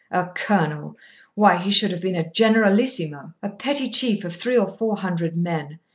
A colonel! why, he should have been a generalissimo. A petty chief of three or four hundred men!